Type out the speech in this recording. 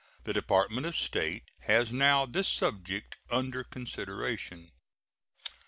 The Department of State has now this subject under consideration.